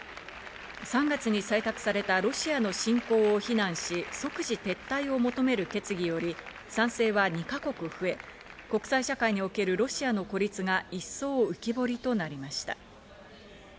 ３月に採択されたロシアの侵攻を非難し、即時撤退を求める決議より賛成は２か国増え、国際社会におけるロシアの孤立が一層浮き彫りとなりました。